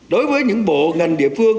đối với những bộ ngành địa phương